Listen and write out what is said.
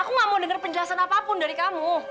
aku nggak mau denger penjelasan apa apa pun dari kamu